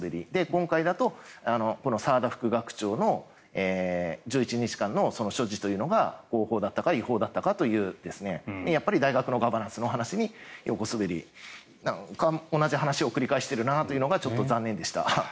今回だと澤田副学長の１１日間の所持というのが合法だったか違法だったかというやっぱり大学のガバナンスの話に横滑り、同じ話を繰り返しているというのがちょっと残念でした。